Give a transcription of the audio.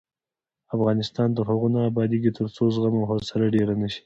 افغانستان تر هغو نه ابادیږي، ترڅو زغم او حوصله ډیره نشي.